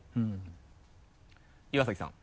岩崎さん。